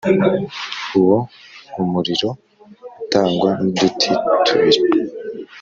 Uwo umuriro utangwa n’uduti tubiri